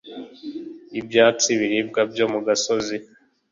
yibyatsi biribwa byo mu gasozi